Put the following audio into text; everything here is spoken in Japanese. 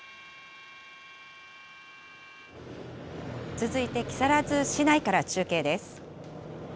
続いて木更津市内から中継です。